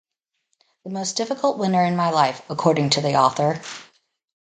"The most difficult winter in my life," according to the author.